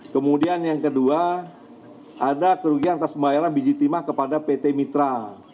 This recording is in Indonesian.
kemudian yang kedua ada kerugian atas pembayaran biji timah kepada pt mitra